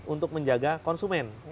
untuk menjaga konsumen